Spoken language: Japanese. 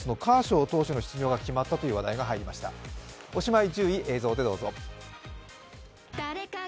おしまい１０位、映像でどうぞ。